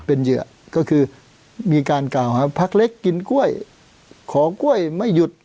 เป็นเหยื่อก็คือมีการกล่าวหาพักเล็กกินกล้วยขอกล้วยไม่หยุด